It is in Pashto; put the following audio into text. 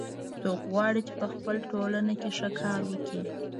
څوک غواړي چې په خپل ټولنه کې ښه کار وکړي